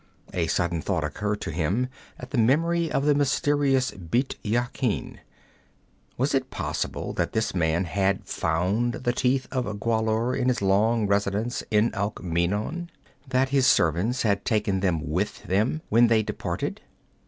A sudden thought occurred to him, at the memory of the mysterious Bît Yakin. Was it not possible that this man had found the Teeth of Gwahlur in his long residence in Alkmeenon that his servants had taken them with them when they departed?